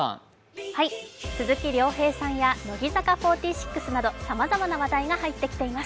鈴木亮平さんや乃木坂４６などさまざまな話題が入ってきています。